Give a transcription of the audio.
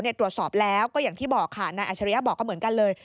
ตรวจสอบแล้วก็อย่างที่บอกค่ะนายอัชริยะบอกก็เหมือนกันเลย